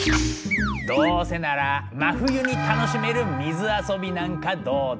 どうせなら真冬に楽しめる水遊びなんかどうだ？